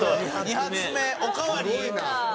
２発目おかわり？